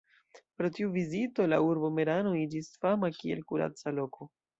Pro tiu vizito la urbo Merano iĝis fama kiel kuraca loko.